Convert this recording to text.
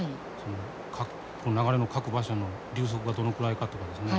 流れの各場所の流速がどのくらいかとかですね